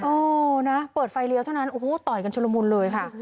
เออนะเปิดไฟเลี้ยวเท่านั้นโอ้โหต่อยกันชุลมุนเลยค่ะ